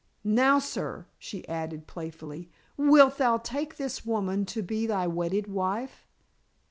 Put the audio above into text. Now, sir," she added playfully, "wilt thou take this woman to be thy wedded wife?"